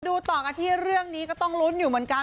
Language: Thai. ต่อกันที่เรื่องนี้ก็ต้องลุ้นอยู่เหมือนกัน